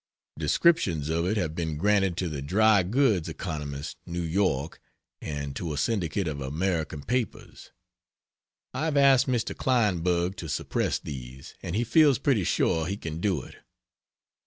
Descriptions of it have been granted to the "Dry Goods Economist" (New York) and to a syndicate of American papers. I have asked Mr. Kleinberg to suppress these, and he feels pretty sure he can do it.